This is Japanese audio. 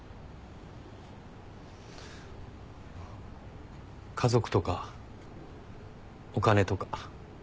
家族とかお金とか。